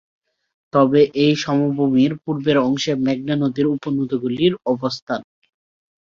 তবে এই সমভূমির পুর্বের অংশে মেঘনা নদীর উপনদীগুলির অবস্থান।